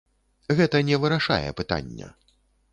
Гэта не вырашае пытання.